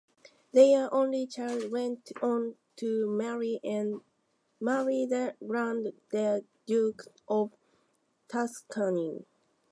Their only child went on to marry the Grand Duke of Tuscany.